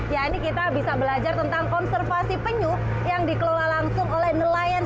ya ini kita bisa belajar tentang konservasi penyuh yang dikeluar langsung oleh nelayan sepenyuh